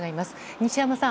西山さん